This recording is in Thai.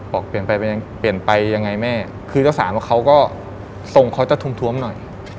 บอกเปลี่ยนไปยังไงแม่คือเจ้าสามเขาก็ส่งเขาจะทุ่มหน่อย